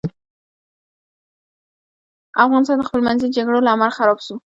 افغانستان د خپل منځي جګړو له امله خراب سو.